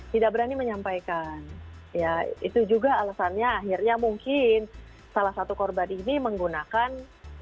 tidak berani menyampaikan ya itu juga alasannya akhirnya mungkin salah satu korban ini menggunakan